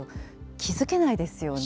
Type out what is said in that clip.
気付けないですよね。